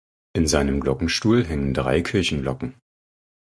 In seinem Glockenstuhl hängen drei Kirchenglocken.